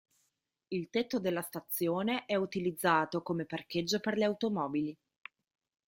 Il tetto della stazione è utilizzato come parcheggio per le automobili.